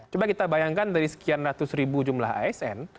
coba kita bayangkan dari sekian ratus ribu jumlah asn